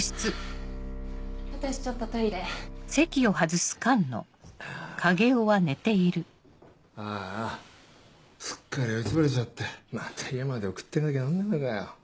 ハァ私ちょっとトあぁああすっかり酔いつぶれちゃってまた家まで送ってかなきゃなんねえのかよ